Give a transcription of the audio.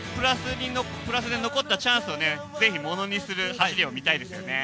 プラスで残ったチャンスをぜひ、ものにする走りを見たいですよね。